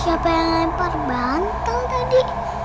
siapa yang lempar bantal tadi